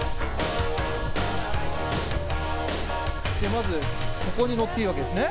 まずここに乗っていいわけですね。